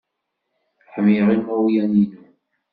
Ḥemmleɣ imawlen-innu.